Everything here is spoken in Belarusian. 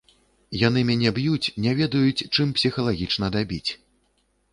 Яны мяне б'юць, не ведаюць, чым псіхалагічна дабіць.